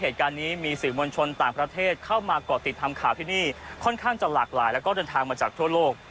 ที่นี่ค่อนข้างจะหลากหลายแล้วก็เดินทางมาจากทั่วโลก